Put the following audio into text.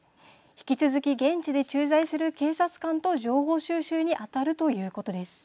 引き続き現地で駐在する警察官と情報収集にあたるということです。